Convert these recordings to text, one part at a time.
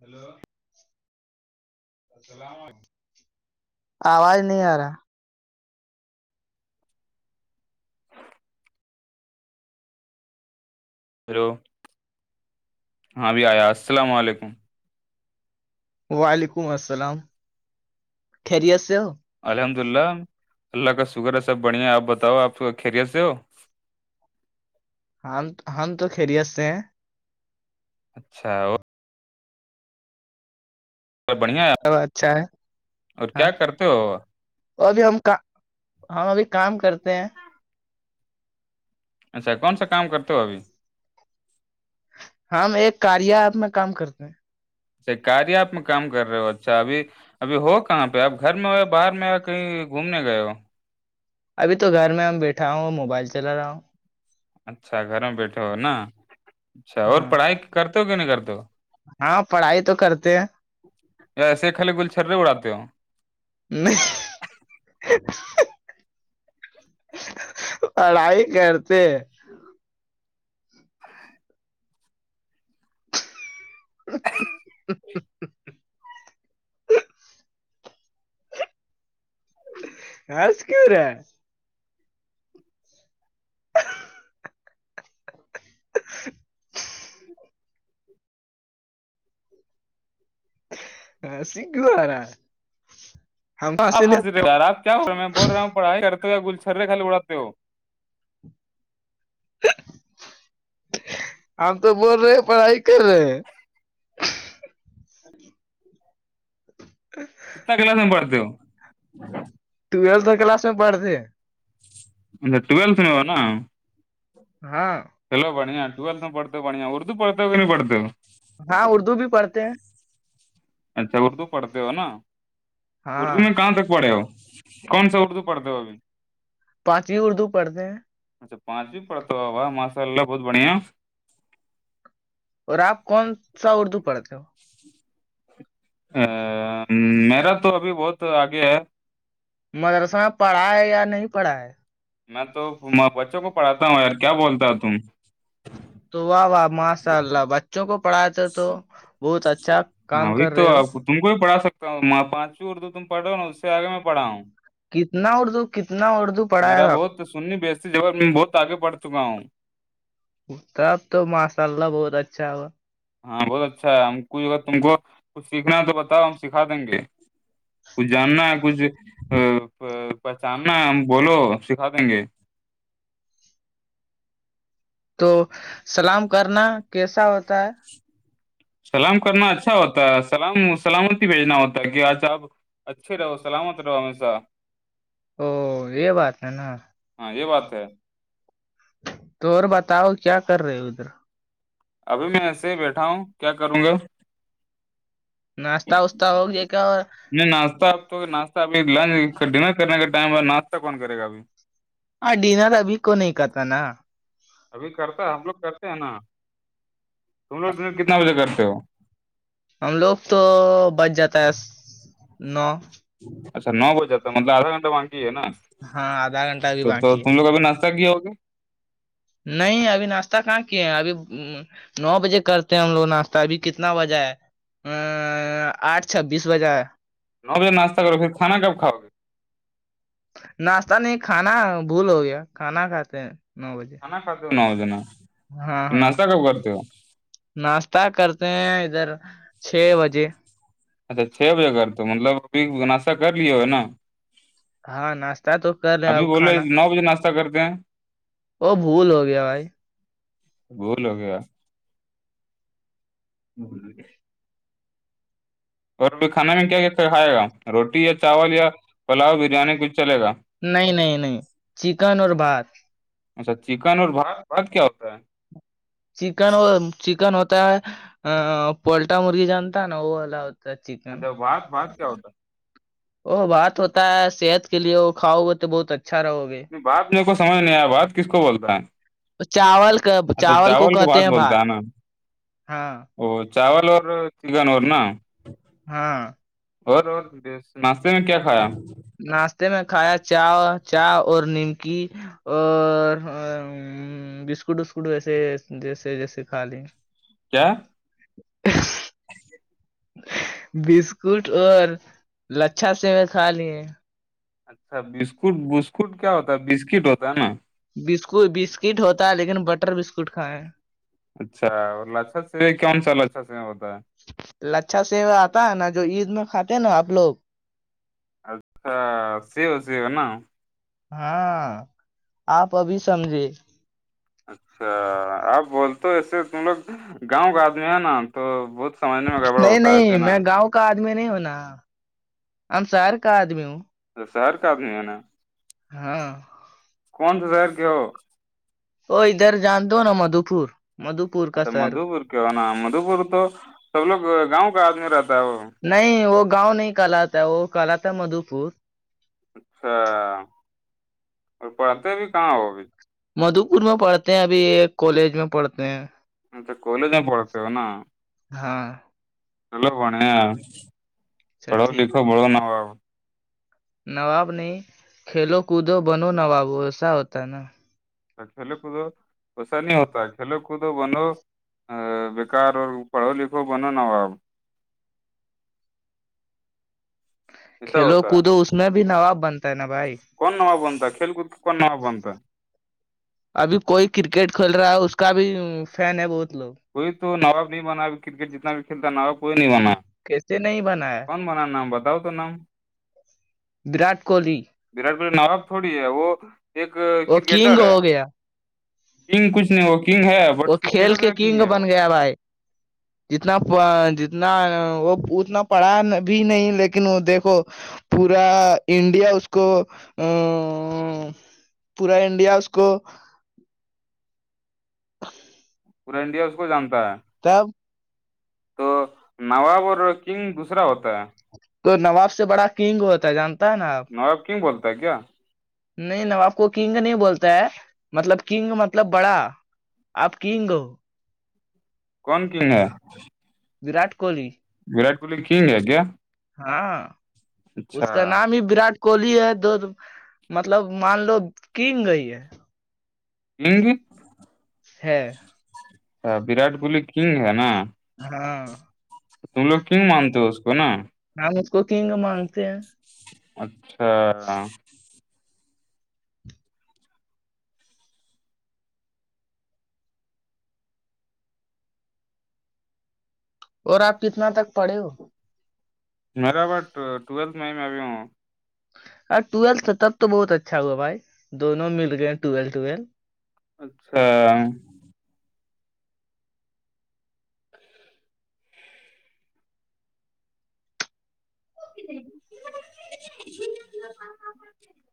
hello [unintelligible] آواز نہیں آ رہا [unintelligible] ہیلو ہاں بی آیا السلام علیکم [unintelligible] وعلیکم السلام خیریت سے ہو الحمد للہ اللہ کا شکر ہے سب بڑھیا ہے آپ بتاؤ آپ سے خیریت سے ہو ہم ہم تو خلی آستے ہیں [unintelligible] اچھا اور [unintelligible] بڑھیا ہے اب اچھا ہے اور کیا ہاں کرتے ہو اور ابھی ہم کا ہم ابھی کام کرتے ہیں اچھا کون سا کام کرتے ہو ابھی ہم ایک کاریا آپ میں کام کرتے ہیں کیا آپ میں کام کر رہے ہو اچھا ابھی ابھی ہو کہاں پہ اب گھر میں ہو یا باہر میں کہیں گھومنے گیا [unintelligible] ابھی تو گھر میں بیٹھا ہوں اور موبائل چلا رہا ہوں اچھا گھر میں بیٹھے ہو نا اچھا اور پڑھائی ہاں کرتے کہ نہیں کرتا ہاں پڑھائی تو کرتے ہیں [unintelligible] یا ایسے خالے گل چھررے اڑاتے ہو نہیں [unintelligible] پڑھائی کرتے ہیں [unintelligible] [inaudible] آج کی رہا [unintelligible] [inaudible] ہ سگووارا [unintelligible] آپ حضرار آپ کیا ہو رہا ہے میں بول رہا ہوںڑھائی کرتے گل چھررے خالے اڑاتے ہو ہم تو بول رہے ہیں پڑھائی کر رہے ہیں [unintelligible] اچھ [unintelligible] کلاس میں پڑھتے ٹیلھ کلاس میں پڑھتے [unintelligible] انا ٹولت نہیں ہو نا ہاں چلو بڑھیا ٹویلتھ میں پڑھتے ہو بڑھیا اردو پڑھتے ہو کہ نہیں [unintelligible] پڑھتے ہو ہاں اردو بھی پڑھتے ہیں [unintelligible] [inaudible] اچھا اردو پڑھتے ہو نا [unintelligible] اردو ہاں میں کہاں تک پڑھے ہو کون سا اردو پڑھتے ہو ابھی پانچویں اردو پڑھتے ہیں اچھا پانچویں پڑتا ہو ماشاء اللہ بہت بڑھیا اور آپ کون سا اردو پڑھتے ہو ا میرا تو ابھی بہت آگے ہے [unintelligible] مدرسہ پڑھا ہے یا نہیں پڑھا ہے میں تو بچوں کو پڑھاتا ہوں یار کیا بولتا ہے تم تو واہ واہ ماشاء اللہ بچ بچوں کو پڑھات تھ تو بہت اچھا کام کر رہے ہو تواں پانچویں اردو تم پڑھو نا اس سے آگے میں پڑھا ہوں کتنا اردو کتنا اردو پڑھائے گا سننی بیچتی جب میں بہت آگے بڑ چکا ہوں تب تو ماشاء اللہ بہت اچھا ہوا ہاں بہت اچھا ہے ہم کچھ اگر تم کو کچھ سیکھنا ہے تو بتاؤ ہم سکھا دیں گے کچھ جاننا ہے کچھ ا پہچاننا بولو سکھا دیں گے [inaudible] تو سلام کرنا کیسا ہوتا ہے سلام کرنا اچھا ہوتا ہے سلام سلامتی بھیجنا ہوتا ہے کہ آج آپ اچھے رہو سلامت رہو ہمیشہ او یہ بات ہے نا ہاں یہ بات ہے تو اور بتاؤ کیا کر رہے ہو ادھر ابھی میں ایسے ہی بیٹھا ہوں کیا کروں گا ناشتہ واشتہ ہو گیا کیا اور نہیں ناشہ اب تو ناشہ ابھی لنچ کر دینا کرنے کا ٹائم ہے ناشہ کون کرے گابھی [inaudible] ہاں ڈنر ابھی کو نہیں کہتا نا ابھی کرتا ہے ہم لوگ کرتے ہیں نا تم لوگ ڈ کتنا بجے کرتے ہو [inaudible] ہم لوگ تو بچ جاتا ہے نو اچھا نو بج جاتا مطلب آدا گھنٹہ مانگی ہے نا ہاں آدھا گھنٹہ ابھی تو تو باقی تم ہے لوگ ابھی ناشتہ کیا ہوگے [inaudible] نہیں ابھی ناشتہ کہاں کیے ہیں ابھی نو بجے کرتے ہیں ہم لوگ ناشتہ ابھی کتنا بجہ ہے ا آٹھ چھبیس بجا نو بجے ناشہ کرو پھر کانا کب کاؤ ناشتہ نہیں کھانا بھول ہو گیا کھانا کھاتے ہیں نو بجے کھانا کھاتے ہو نو بجے نا ہاں پھر ہاں ناشتہ کب کرتے ہو ناشتہ کرتے ہیں ادھر چھ بجے اچھا چھ بجے کر دو مطلببھی گناسہ کر لیے ہے نا ہاں ناشتہ تو کر رہے ہیں، ابھی اب بولے کھانا نو بجے ناشتہ کرتے ہیں وہ بھول ہو گیا بھائی بول ہو گیا [inaudible] ہک [inaudible] اور کھانے میں کیا کیا کھائے گا روٹی یا چاول یا پلاؤ بریانی کھ چلے گا نہیں نہیں نہیں چکن اور بات اچھا چکن اور بھات بھات کیا ہوتا ہے چکن وہ چکن ہوتا ہے پلٹا مرغی جانتا ہے نا وہ وال چکن اچھا بھات بھات کیا ہوتا ہے ا بات ہوتا ہے صحت کے لیے کھاؤ گے تو بہت اچھا رہو گے باپ میرے کو سمجھ نہیں آیا بات کس کو بولتا ہے چاول کا اچھا کو چاول کے کہتے بات ہیں بولتا بھات ہے نا ہاں او چاول اور چکن اور نا ہاں [inaudible] اور اور ناشتے میں کیا کھایا ناشتے میں کھایا چا چا اور نیمکی اور ہ بسکٹ وسکٹ ویسے جیسے جیسے کھا ل [inaudible] اچی [inaudible] بسکٹ اور لچھا سے میں کھا لیے اچھا بسکٹ بسکٹ کیا ہوتا ہے بسکٹ ہوتا ہے نا بسک بسکٹ ہوتا ہے لیکن بٹر بسکٹ کھائیں اچھا اور لچھت سے کون سا لچھت سے ہوتا ہے لچھا سےو آتا ہے نا جو عید میں کھاتے ہیں نا آپ لوگ اچھا ہاں سیو سیو [inaudible] نا ہاں آپ ابھی سمجھے اچھا آپ بول تو ایسے تم لوگ گاؤں کا آدمی ہے نا تو بہت سمجھنے میں گڑبڑ نہیں ہوتا ہے اسے نہیں نا میں گاؤں کا آدمی نہیں ہونا آم سار کااد میو تو شہر کابمی ہے نا ہاں کون سا زظہر کیا ہو وہ ادھر جان دو ہو نا مدو پور مدھو پور کا اچھا سر مدھو پور کی ہو نا مدو پور تو سب لوگ گاؤں کا آدمی رہتا ہے وہ نہیں وہ گاؤں نہیں کہالتا وہ کہالتا ہے مدھو پور اچھا اور پڑھتے ا بھی کہاں ہو ابھی مدو پور میں پڑھتے ہیں ابھی ایک کالج میں پڑھتے ہیں نہیں تو کولی ج پڑتے ہو نا ہاں چلو بنیا اچھا پڑھو ٹھیک لکھو بڑھو ن ہوا نواب نہیں کھیلو کودو بنو نواب ایسا ہوتا ہے نا کھیل کود اسا نہیں ہوتا کھیل کو بنو ا بیکار اور پڑھو لکھو بنو نا ہواب ایسا کھیلو ہوتا ہے کودو اس میں بھی نواب بنتا ہے نا بھائی کون ن ہوا بتا کھیل کود کون ن ہوا بتا ابھی کوئی کرکٹ کھیل رہا ہے اس کا بھی فین ہے بہت لوگ کوئی تو نواب نہیں بنا ا کرکٹ جتنا بھی کھیلتا نواب کوئی نہیں بنا کیسے نہیں بنا ہے کون بنا نام بتاؤ تو نام وراٹ کوہلی وراٹ کوہلی نواب تھوڑی ہے وہ ایک وہ کنگ کرکٹر ہو ہے گیا کنگ کچھ نہیں وہ کنگ ہے وہ بٹ کھیل کرکٹر کے کا کنگ ہے بن وہ گیا بھائی جتنا جتنا وہ اتنا پڑھا بھی نہیں لیکن وہ دیکھو پورا انڈیا اس کو ا پورا انڈیا اس کو ہ پورا انڈیا اس کو جانتا ہے تب تو نواب اور کنگ دوسرا ہوتا ہے تو نواب سے بڑا کنگ ہوتا ہے جانتا ہے نا آپ نواب کیوں بولتا ہے کیا نہیں ن آپ کو کنگ نہیں بولتا ہے مطلب کنگ مطلب بڑا آپ کییں گو کون کنگ ہے کوہلی وراٹ کوہلی کنگ ہے کیا ہاں اس اچھا کا نام ہی وراٹ کوہلی ہے دو مطلب مان لو کن گئی ہے ہے ا وراٹ کوہلی کنگ ہے نا ہاں ت لوگ کیوں مانتے اس کو نا ن اس کو کنگ مانگتے ہیں اچھا اور آپ کتنا تک پڑھے ہو میریرا بٹ ٹویلتھ میں میں ابھی ہوں ا ٹویل تھا تب تو بہت اچھا ہوا بھائی دونوں مل گئے ٹویل ٹویل اچھا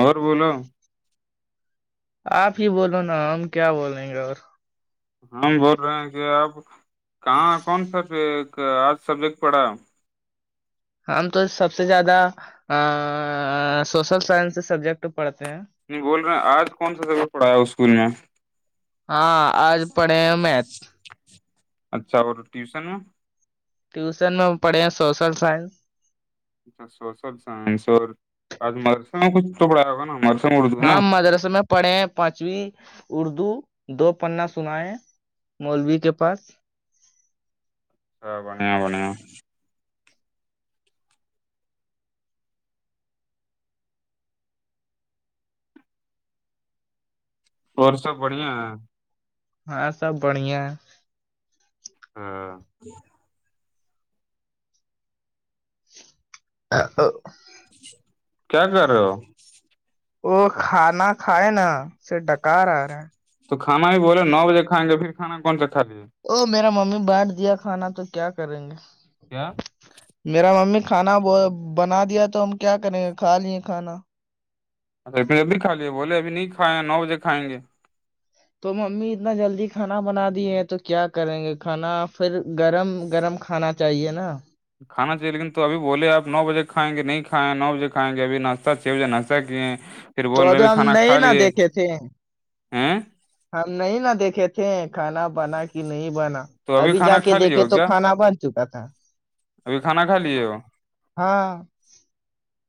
اور بولو آپ ہی بولو نا ہم کیا بولیں گے اور ہم بول رہے ہیں کہ آپ کہاں کون سا آج سبجیکٹ پڑا ہے ہم تو سب سے زیادہ سوشل سائنس سے سبجیکٹ پڑھتے ہیں نہیں بول رہے ہیں آج کون سا جگہ پڑھایا اسکول میں ہاں آج پڑھے ہیں میکھ اچھا اور ٹیوشن ٹیوشن میں پڑے ہیں سوشل سائنس اچھا سوشل سائنس اور آج مرسہ میں کچھ ٹکڑایا ہوگا نار ہاں مذراس میں پڑھے پانچویں اردو دو پنا سنیں مولوی کے پاس ہاں بڑھیا بڑھیاں اور ہاں سب بڑھیا ہے بڑھیا ہے ہاں کیا کر رہے ہو [inaudible] وہ کھانا کھائے نا سے ڈکار آ رہا ہے تو کھانا بھی بولے نو بجے کھائیں گے پھر کھانا کون سا کھا لیجیے او میرا ممی بانٹ دیا کھانا تو کیا کریں گے کیا میرا ممی کھانا بنا دیا تو ہم کیا کریں گے کھا لیے کھانا [inaudible] اچھا جب بھی کھایا بولے اھی نہیں کھائے ہیں نو بجے کائیں گے تو ممی اتنا جلدی کھانا بنا دی ہے تو کیا کریں گے کھانا پھر گرم گرم کھانا چاہیے نا کھا چاہیے لیکن تو ابھی بولے آپ نو بجے کھائیں گے نہیں کھائےیں نو بجےھائیں گے ابھی ناشہ چھ بجے ناشہ کیے پھر تو بول رہے ابھی ہم کھانا کھا نہیں نہا لیے دیکھے تھے ہیں ہم نہیں نہا دیکھے تھے کھانا بنا کہ نہیں بنا تو ابھی جا کھانا کے کھا لیے دیکھے ہو تو کیا کھانا بن چکا تھا ابھی کھانا کھا لیے ہو ہاں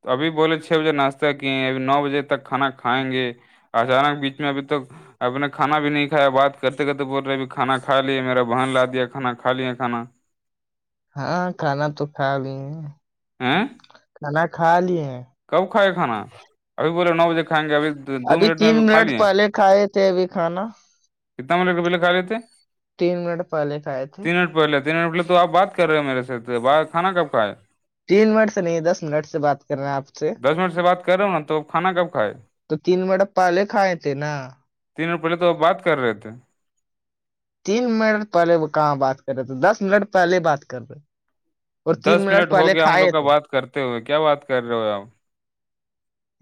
تو ابھی بولے چھ بجے ناشہ ت کہ ابھی نو بجے تک کھانا کھائیں گے اچانک بیچ میں ابھی توک اب نے کھانا بھی نہیں کھایا بعات کرتے کرتے بول رہے ابھی کھان کایا میرا بہن لا دیا کانا کھا لیا کھانا ہاں کھانا تو کھا لی ہیں ہیں کھانا کھا لی ہیں کب کھائے کھانا ابھی بولے نو بجے کھائیں گے ابھی دو ابھی تین میں کھا منٹ لیے پہلے کھائے تھ تھ بھی کھانا کتنا منٹ پہلے کھا لیے تھے تین منٹ پہلے کھائے تھے ک منٹ پہے تو آپ بات کر رہے ہو میرے سے ب کھان کب کا ہے تین منٹ سے نہیں دس منٹ سے بات کر رہے ہیں آپ دس منٹ سے بات کر رہے ہو نا تو آپ کھانا کب کھائے تو تین منٹ پہلے کھائے تھ نا تین دن پہلے تو اب بات کر رہے تھے تین منٹ پہلے وہ کہاں بات کر رہے تھے دس منٹ پہلے بات کر رہے اور تین دس منٹ ہو پہلے گیا ہم لوگ کھائے کا تھے بات کرتے ہوئے کیا بات کر رہے ہو آپ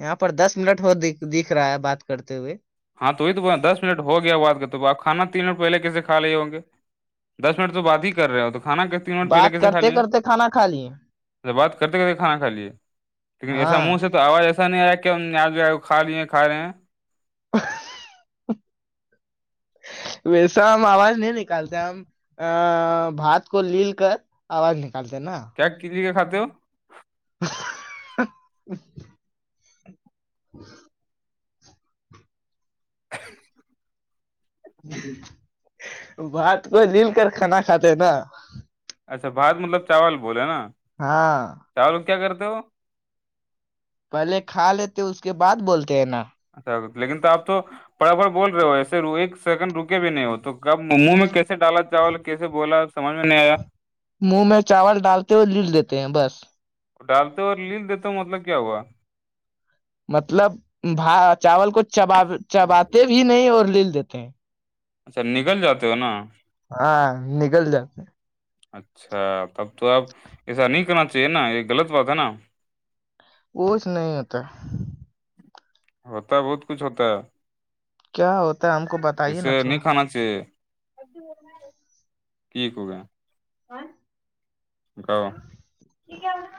یہاں پر دس منٹ ہو دکھ رہا ہے بات کرتے ہوئے ہاں توی تو دس منٹ ہو گیا بات کر تو آپھانا تین منٹ پہل کیسےھا لے ہوں گے دس منٹ تو بعد ہی کر رہے ہو تو کھانا ک تین منٹ پہلے بات کیسے کھا کرتے لیے کرتے کھانا کھا لیے ار بات کرتے کرتے کانا کھا لیے لیکن ایسا ہاں منہ سے توواز ایسا نہیں آیا کہ ہم یہاں جو ہے کھا لیے ہیں کھا رہے ہیں [inaudible] ویسا ہم آواز نہیں نکالتے ہم آآ بات کو لیل کر آواز نکالتے نا کیا کتنے کا کھے ہو [inaudible] [inaudible] [inaudible] بات کو مل کر کھانا کھاتے نا اچھا بھات ہاں چارو کیا کرتے ہو پہلے کھا لیتے اس کے بعد بولتے ہیں نا اچھا لیکن تو آبپ تو پڑا پڑ بول رہے ہو ایسے ایک سیکنڈ رکے بھی نہیں ہو تو کب منہ میں کیسے ڈالا چاول کیسے بولا سمجھ میں نہیں آیا منہ میں چاول ڈالتے ہو لل دیتے ہیں بس ڈالتے ہو اور لل دیتا مطلب کیا ہوا مطلبا چاول کو چب چباتے بھی نہیں اور لل دیتے ہیں اچھا نکل جاتے ہو نا ہاں نگل جاتے اچھا تب تو آپ ایسا نہیں کرنا چاہیے نا یہ غلط بات ہے نا وہچ نہیں ہوتا ہوتا ہے بہت کچھ ہوتا ہے کیا ہوتا ہے ہم کو بتائیے نا تھوڑا جی ٹھیک ہوگا ہاں یہ کیا ہورہا ہے